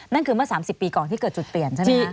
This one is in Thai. นั่นคือเมื่อ๓๐ปีก่อนที่เกิดจุดเปลี่ยนใช่ไหมคะ